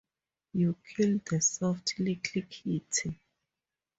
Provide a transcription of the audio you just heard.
You killed the soft little kitty.